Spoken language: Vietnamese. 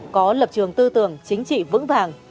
có lập trường tư tưởng chính trị vững vàng